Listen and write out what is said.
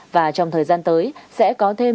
và trong thời gian tới sẽ có thêm